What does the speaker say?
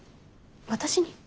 私に？